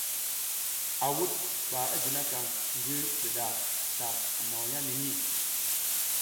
A wuɗ ɓa i jinikaƞ ngi ɗiɗa sla nawaya nihi.